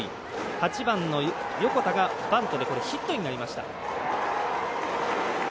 ８番の横田がバントでヒットになりました。